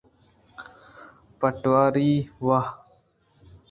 پٹواری! واہ